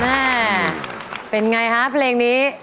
แม่เป็นไงฮะเพลงนี้